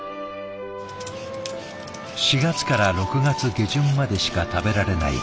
４月から６月下旬までしか食べられない